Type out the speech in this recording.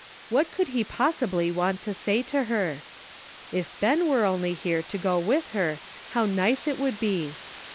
What could he possibly want to say to her ! If Ben were only here to go with her how nice it would be